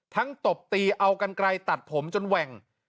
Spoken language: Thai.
ตบตีเอากันไกลตัดผมจนแหว่ง